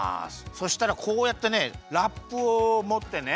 そしたらこうやってねラップをもってね